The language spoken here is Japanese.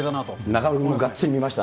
中丸君もがっつり見ました？